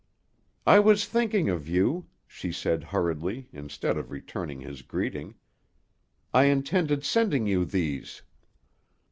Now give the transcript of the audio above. "I was thinking of you," she said hurriedly, instead of returning his greeting. "I intended sending you these."